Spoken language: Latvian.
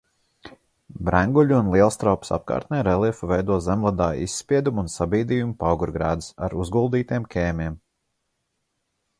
Brenguļu un Lielstraupes apkārtnē reljefu veido zemledāja izspieduma un sabīdījuma paugurgrēdas ar uzguldītiem kēmiem.